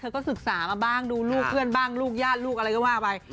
ก็ศึกษามาบ้างดูลูกเพื่อนบ้างลูกญาติลูกอะไรก็ว่าไป